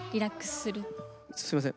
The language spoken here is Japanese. すいません